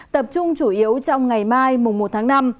tập trung chủ yếu trong ngày mai mùng một tháng năm